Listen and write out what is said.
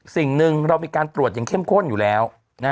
สิ่งหนึ่งเรามีการตรวจอย่างเข้มข้นอยู่แล้ว